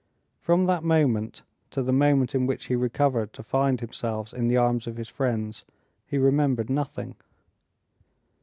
From that moment to the moment in which he recovered to find himself in the arms of his friends he remembered nothing.